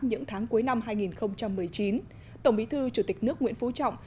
những tháng cuối năm hai nghìn một mươi chín tổng bí thư chủ tịch nước nguyễn phú trọng